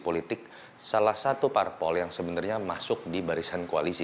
positif adalah posisi politik salah satu parpol yang sebenarnya masuk di barisan koalisi